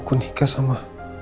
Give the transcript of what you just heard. aku nikah sama